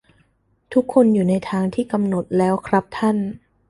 ทุกคนอยู่ในทางที่กำหนดแล้วครับท่าน